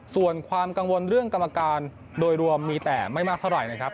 ส่วนความกังวลเรื่องกรรมการโดยรวมมีแต่ไม่มากเท่าไหร่นะครับ